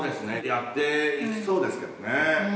やっていきそうですけどね。